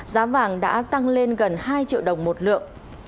giá vàng đã tăng lên gần hai triệu đồng một lượng